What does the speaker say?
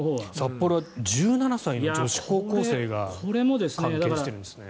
札幌は１７歳の女子高校生が関係してるんですね。